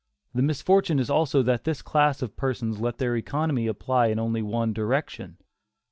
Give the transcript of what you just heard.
The misfortune is also that this class of persons let their economy apply in only one direction.